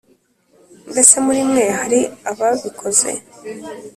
Mbese muri mwe hari ababikoze